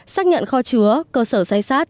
xác nhận kho chứa cơ sở say sát